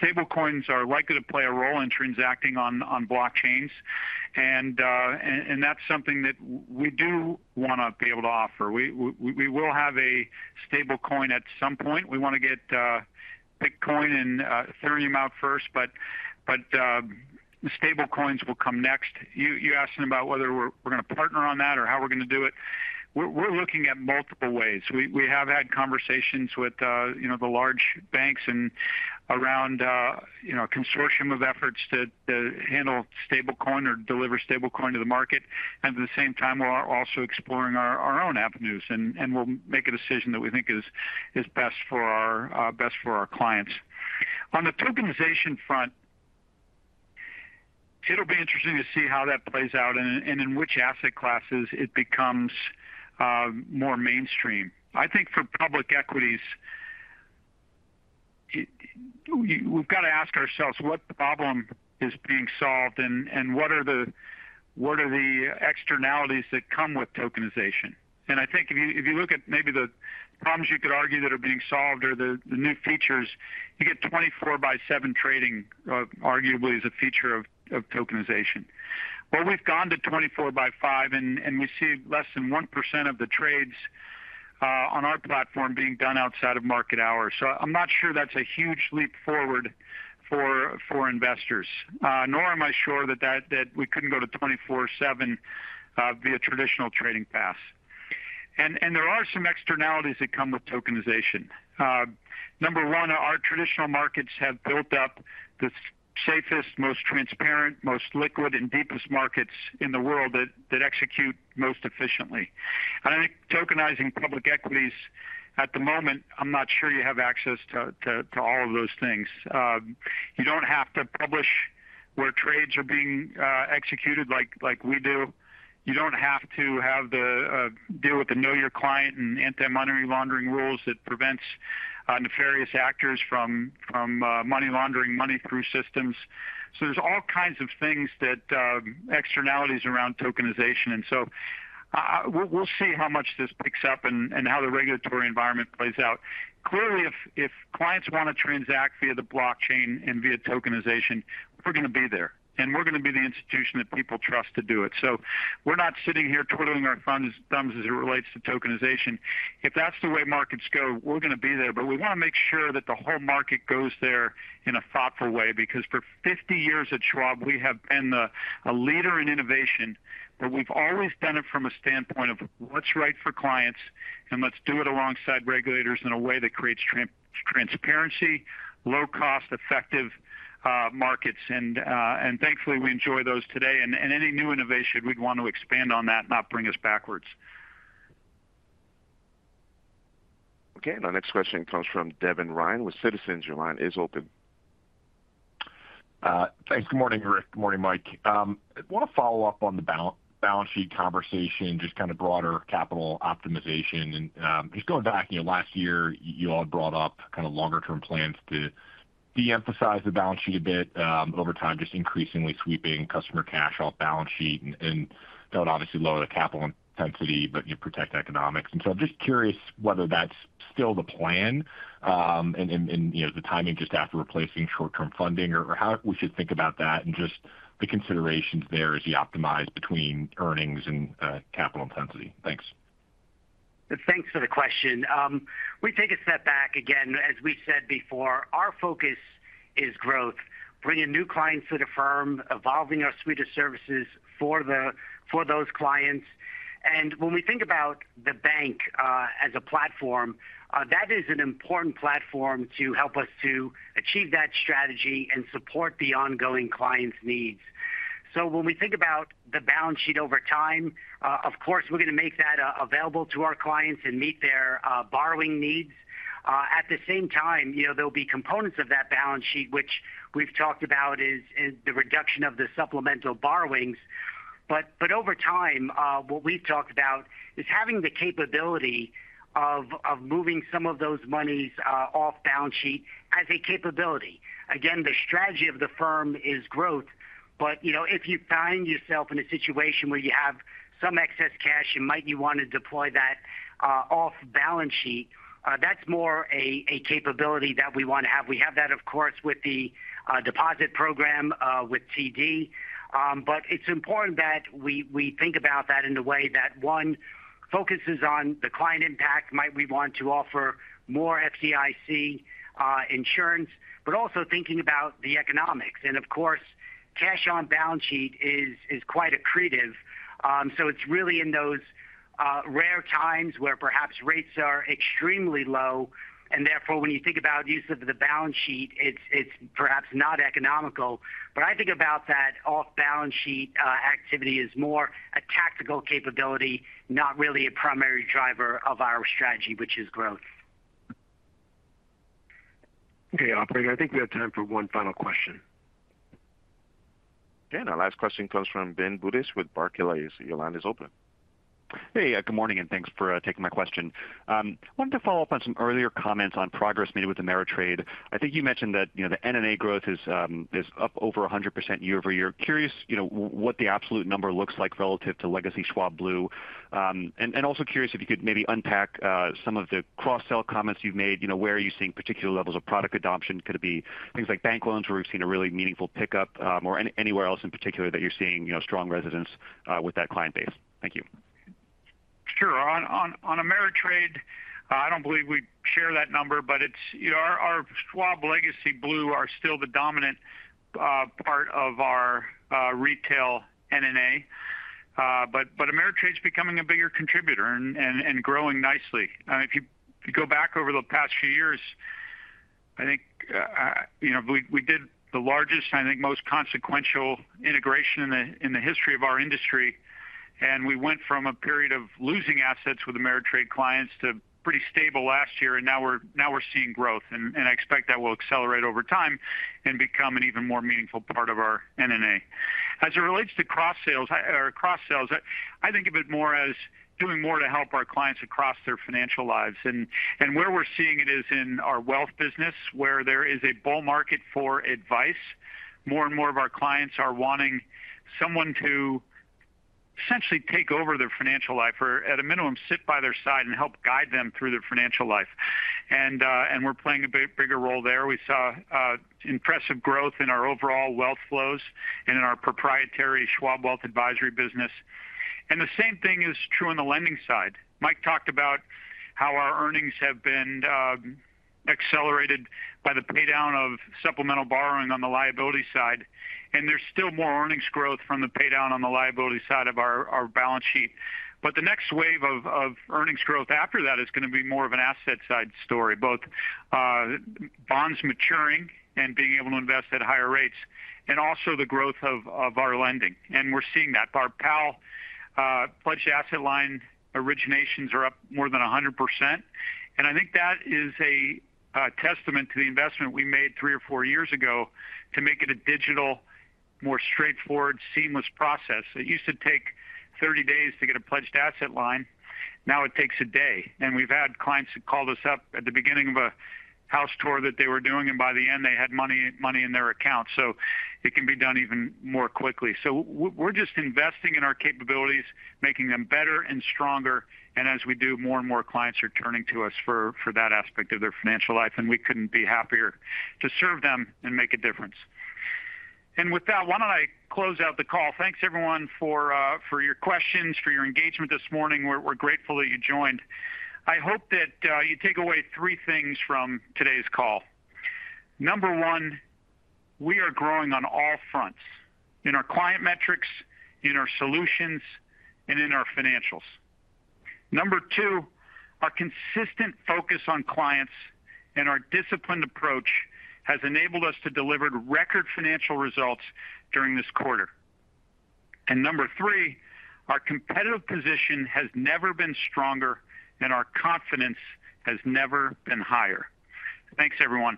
Stablecoins are likely to play a role in transacting on blockchains. That is something that we do want to be able to offer. We will have a stablecoin at some point. We want to get Bitcoin and Ethereum out first, but stablecoins will come next. You asked about whether we're going to partner on that or how we're going to do it. We're looking at multiple ways. We have had conversations with the large banks and around a consortium of efforts to handle stablecoin or deliver stablecoin to the market. At the same time, we're also exploring our own avenues. We'll make a decision that we think is best for our clients. On the tokenization front, it'll be interesting to see how that plays out and in which asset classes it becomes more mainstream. I think for public equities, we've got to ask ourselves what problem is being solved and what are the externalities that come with tokenization. I think if you look at maybe the problems you could argue that are being solved or the new features, you get 24/7 trading, arguably, as a feature of tokenization. We have gone to 24/5, and we see less than 1% of the trades on our platform being done outside of market hours. I'm not sure that's a huge leap forward for investors. Nor am I sure that we couldn't go to 24/7 via traditional trading paths. There are some externalities that come with tokenization. Number one, our traditional markets have built up the safest, most transparent, most liquid, and deepest markets in the world that execute most efficiently. I think tokenizing public equities at the moment, I'm not sure you have access to all of those things. You do not have to publish where trades are being executed like we do. You do not have to deal with the Know Your Client and anti-money laundering rules that prevent nefarious actors from money laundering money through systems. There are all kinds of things that are externalities around tokenization. We will see how much this picks up and how the regulatory environment plays out. Clearly, if clients want to transact via the blockchain and via tokenization, we are going to be there. We are going to be the institution that people trust to do it. We are not sitting here twiddling our thumbs as it relates to tokenization. If that is the way markets go, we are going to be there. We want to make sure that the whole market goes there in a thoughtful way. For 50 years at Schwab, we have been a leader in innovation, but we have always done it from a standpoint of what is right for clients, and let us do it alongside regulators in a way that creates transparency, low-cost, effective markets. Thankfully, we enjoy those today. Any new innovation, we would want to expand on that, not bring us backwards. Okay. Our next question comes from Devin Ryan with Citizens. Your line is open. Thanks. Good morning, Rick. Good morning, Mike. I want to follow up on the balance sheet conversation, just kind of broader capital optimization. Just going back, last year, you all brought up kind of longer-term plans to de-emphasize the balance sheet a bit over time, just increasingly sweeping customer cash off balance sheet. That would obviously lower the capital intensity, but protect economics. I am just curious whether that is still the plan, and the timing just after replacing short-term funding, or how we should think about that and just the considerations there as you optimize between earnings and capital intensity. Thanks. Thanks for the question. We take a step back. Again, as we said before, our focus is growth, bringing new clients to the firm, evolving our suite of services for those clients. When we think about the bank as a platform, that is an important platform to help us to achieve that strategy and support the ongoing clients' needs. When we think about the balance sheet over time, of course, we are going to make that available to our clients and meet their borrowing needs. At the same time, there will be components of that balance sheet, which we have talked about, is the reduction of the supplemental borrowings. Over time, what we have talked about is having the capability of moving some of those monies off balance sheet as a capability. Again, the strategy of the firm is growth. If you find yourself in a situation where you have some excess cash, you might want to deploy that off balance sheet. That is more a capability that we want to have. We have that, of course, with the deposit program with TD. It is important that we think about that in a way that, one, focuses on the client impact. Might we want to offer more FDIC insurance, but also thinking about the economics. And of course, cash on balance sheet is quite accretive. So it is really in those rare times where perhaps rates are extremely low. Therefore, when you think about use of the balance sheet, it is perhaps not economical. I think about that off-balance sheet activity as more a tactical capability, not really a primary driver of our strategy, which is growth. Okay, Operator, I think we have time for one final question. Okay. Our last question comes from Ben Budish with Barclays. Your line is open. Hey, good morning, and thanks for taking my question. I wanted to follow up on some earlier comments on progress made with Ameritrade. I think you mentioned that the NNA growth is up over 100% year-over-year. Curious what the absolute number looks like relative to legacy Schwab Blue. Also curious if you could maybe unpack some of the cross-sell comments you have made. Where are you seeing particular levels of product adoption? Could it be things like bank loans where we have seen a really meaningful pickup or anywhere else in particular that you are seeing strong resonance with that client base? Thank you. Sure. On Ameritrade, I do not believe we share that number, but our Schwab legacy Blue are still the dominant part of our retail NNA. Ameritrade is becoming a bigger contributor and growing nicely. If you go back over the past few years, I think we did the largest, I think, most consequential integration in the history of our industry. We went from a period of losing assets with Ameritrade clients to pretty stable last year. Now we are seeing growth. I expect that will accelerate over time and become an even more meaningful part of our NNA. As it relates to cross-sales, I think of it more as doing more to help our clients across their financial lives. Where we are seeing it is in our wealth business, where there is a bull market for advice. More and more of our clients are wanting someone to essentially take over their financial life or, at a minimum, sit by their side and help guide them through their financial life. We are playing a bigger role there. We saw impressive growth in our overall wealth flows and in our proprietary Schwab Wealth Advisory business. The same thing is true on the lending side. Mike talked about how our earnings have been accelerated by the paydown of supplemental borrowing on the liability side. There is still more earnings growth from the paydown on the liability side of our balance sheet. The next wave of earnings growth after that is going to be more of an asset-side story, both bonds maturing and being able to invest at higher rates, and also the growth of our lending. We are seeing that. Our PAL, Pledged Asset Line, originations are up more than 100%. I think that is a testament to the investment we made three or four years ago to make it a digital, more straightforward, seamless process. It used to take 30 days to get a Pledged Asset Line. Now it takes a day. We have had clients that called us up at the beginning of a house tour that they were doing, and by the end, they had money in their account. It can be done even more quickly. We are just investing in our capabilities, making them better and stronger. As we do, more and more clients are turning to us for that aspect of their financial life. We could not be happier to serve them and make a difference. With that, why do I not close out the call? Thanks, everyone, for your questions, for your engagement this morning. We are grateful that you joined. I hope that you take away three things from today's call. Number one, we are growing on all fronts: in our client metrics, in our solutions, and in our financials. Number two, our consistent focus on clients and our disciplined approach has enabled us to deliver record financial results during this quarter. Number three, our competitive position has never been stronger, and our confidence has never been higher. Thanks, everyone.